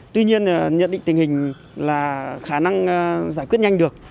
tuy nhiên nhận định tình hình là khả năng giải quyết nhanh được